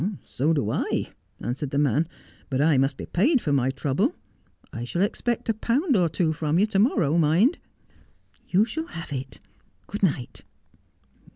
' So do I,' answered the man, ' but I must be paid for my trouble. I shall expect a pound or two from you to morrow, mind.' ' You shall have it. Good night.'